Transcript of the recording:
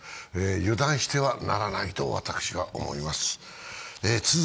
油断してはならないと私は思います。